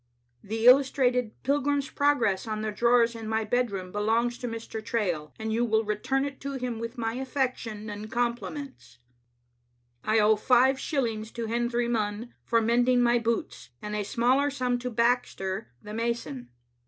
The illustrated * Pilgrim's Progress' on the drawers in my bedroom belongs to Mr. Trail, and you will return it to him with my affection and compliments. " I owe five shillings to Hendry Munn for mending my boots, and a smaller sum to Baxter, the mason.